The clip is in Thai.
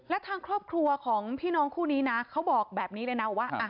และทางครอบครัวของพี่น้องคู่นี้นะเขาบอกแบบนี้เลยนะว่า